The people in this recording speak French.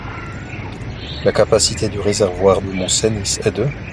La capacité du réservoir du Mont-Cenis est de .